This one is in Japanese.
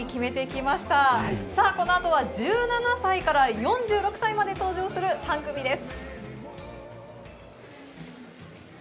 この後は１７歳から４６歳まで登場する３組です。